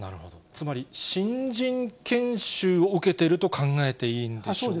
つまり新人研修を受けてると考えていいんでしょうか。